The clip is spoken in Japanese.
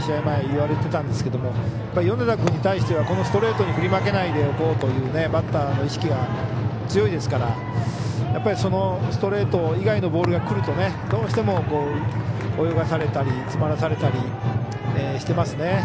前、言われていたんですけど米田君に対してはストレートに振り負けないでいこうというバッターの意識が強いですからそのストレート以外のボールがくるとどうしても、泳がされたり詰まらされたりしてますね。